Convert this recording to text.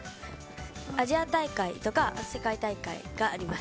アジア大会とか世界大会があります。